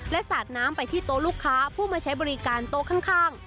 และสาดน้ำไปที่โต๊ะลูกค้าผู้มาใช้บริการโต๊ะข้าง